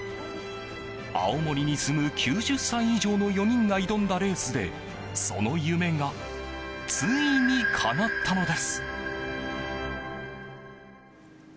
青森に住む９０歳以上の４人が挑んだレースでその夢がついにかなったのです。